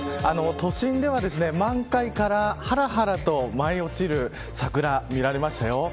都心では満開からはらはらと舞い落ちる桜見られましたよ。